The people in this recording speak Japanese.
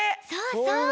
そうそう。